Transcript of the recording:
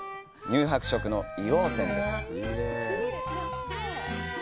乳白色の硫黄泉です。